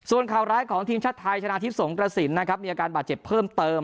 ส่วนข่าวร้ายของทีมชาติไทยชนะทิพย์สงกระสินนะครับมีอาการบาดเจ็บเพิ่มเติม